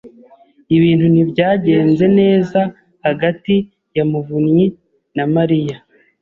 Ibintu ntibyagenze neza hagati ya Muvunnyi na Mariya.